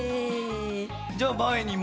じゃあまえにも。